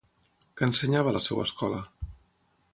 Què ensenyava a la seva escola?